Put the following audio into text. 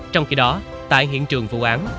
trong khi đó tại hiện trường vụ án